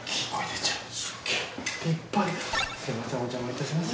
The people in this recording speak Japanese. すみませんおじゃまいたします。